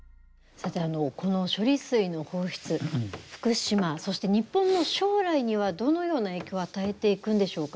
さて、この処理水の放出福島、そして日本の将来にはどのような影響を与えていくんでしょうか。